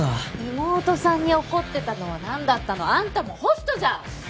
妹さんに怒ってたのは何だったの？あんたもホストじゃん。